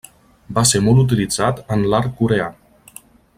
Va ser molt utilitzat en l'art coreà.